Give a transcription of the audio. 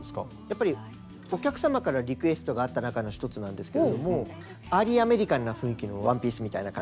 やっぱりお客様からリクエストがあった中の１つなんですけれどもアーリーアメリカンな雰囲気のワンピースみたいな感じで。